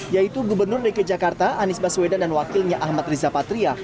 yaitu gubernur reket jakarta anies baswedan dan wakilnya ahmad rizapatria